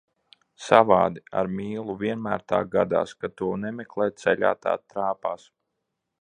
Savādi, ar mīlu vienmēr tā gadās, kad to nemeklē, ceļā tā trāpās.